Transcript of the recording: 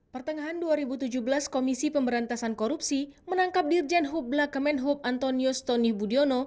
pertengahan dua ribu tujuh belas komisi pemberantasan korupsi menangkap dirjen hubla kemenhub antonius tony budiono